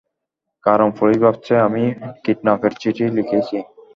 কারন পুলিশ ভাবছে আমিই কিডন্যাপের চিঠি লিখেছি।